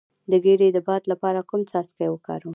د ګیډې د باد لپاره کوم څاڅکي وکاروم؟